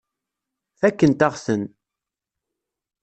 Fakkent-aɣ-ten.